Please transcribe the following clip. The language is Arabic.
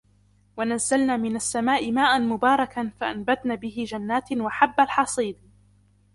وَنَزَّلْنَا مِنَ السَّمَاءِ مَاءً مُبَارَكًا فَأَنْبَتْنَا بِهِ جَنَّاتٍ وَحَبَّ الْحَصِيدِ